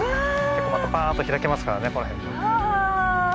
結構またパーッと開けますからね。